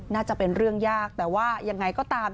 น่าจะเป็นเรื่องยากแต่ว่ายังไงก็ตาม